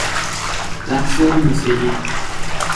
رقص و موسیقی